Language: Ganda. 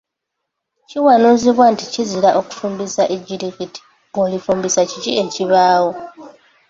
Kiwanuuzibwa nti kizira okufumbisa ejjirikiti, bw'olifumbisa kiki ekibaawo?